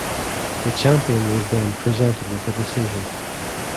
The champion was then presented with a decision.